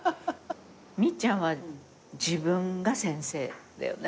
ミッちゃんは自分が先生だよね。